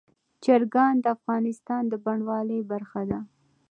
چرګان د افغانستان د بڼوالۍ برخه ده.